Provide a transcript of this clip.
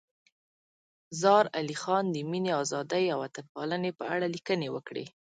زار علي خان د مینې، ازادۍ او وطن پالنې په اړه لیکنې وکړې.